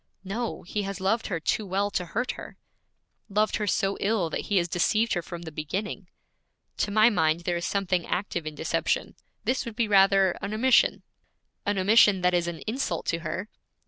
'No, he has loved her too well to hurt her.' 'Loved her so ill that he has deceived her from the beginning.' 'To my mind there is something active in deception; this would be rather an omission.' 'An omission that is an insult to her.'